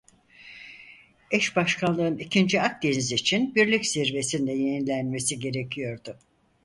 Eş başkanlığın ikinci Akdeniz için Birlik Zirvesi'nde yenilenmesi gerekiyordu.